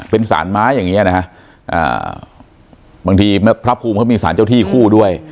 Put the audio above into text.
เป็นสารไม้อย่างเงี้นะฮะบางทีพระภูมิเขามีสารเจ้าที่คู่ด้วย